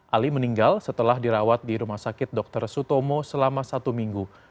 ali meninggal setelah dirawat di rumah sakit dr sutomo selama satu minggu